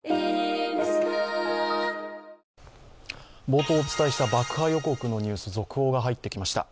冒頭お伝えした爆破予告のニュース、続報が入ってきました。